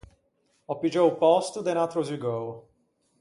Ò piggiou o pòsto de un atro zugou.